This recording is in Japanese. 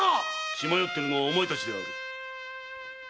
血迷っているのはお前たちである。